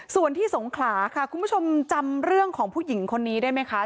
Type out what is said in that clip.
ส่วนที่สงขลาค่ะคุณผู้ชมจำเรื่องของผู้หญิงคนนี้ได้ไหมคะ